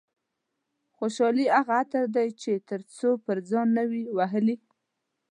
خوشحالي هغه عطر دي چې تر څو پر ځان نه وي وهلي.